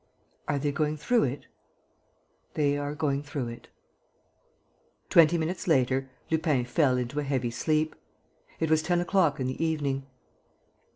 "Are they going through it?" "They are going through it." Twenty minutes later Lupin fell into a heavy sleep. It was ten o'clock in the evening.